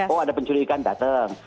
oh ada pencuri ikan datang